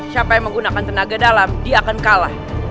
siapa yang menggunakan tenaga dalam dia akan kalah